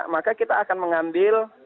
maka kita akan mengambil